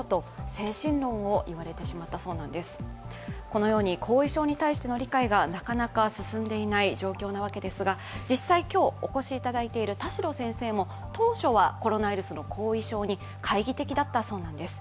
このように後遺症に対しての理解がなかなか進んでいない状況なわけですが実際、今日お越しいただいている田代先生も当初はコロナウイルスの後遺症に懐疑的なだったそうなんです。